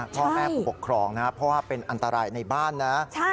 เพราะแม่บอกครองนะเพราะว่าเป็นอันตรายในบ้านนะ